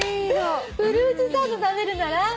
「フルーツサンドを食べるなら」。